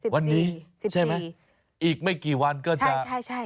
วันนี้ใช่ไหมอีกไม่กี่วันก็จะใช่